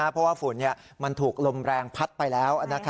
เพราะว่าฝุ่นมันถูกลมแรงพัดไปแล้ว